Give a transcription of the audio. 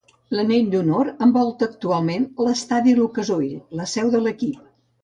L'Anell de l'Honor envolta actualment l'estadi Lucas Oil, la seu de l'equip.